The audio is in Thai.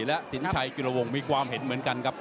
และสินชัยกิรวงศ์มีความเห็นเหมือนกันครับ